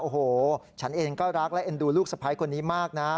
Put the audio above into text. โอ้โหฉันเองก็รักและเอ็นดูลูกสะพ้ายคนนี้มากนะ